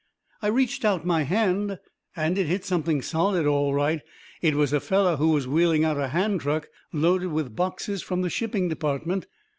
I reached out my hand, and it hit something solid all right. It was a feller who was wheeling out a hand truck loaded with boxes from the shipping department.